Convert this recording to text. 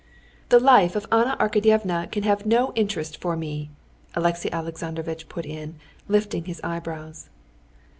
"The life of Anna Arkadyevna can have no interest for me," Alexey Alexandrovitch put in, lifting his eyebrows.